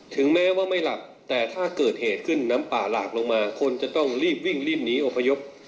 แต่ถ้าเกิดเหตุขึ้นน้ำปลาหลากลงมาคนจะต้องรีบวิ่งรีบหนีอพยพ